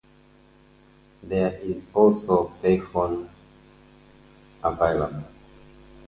There is also payphone available.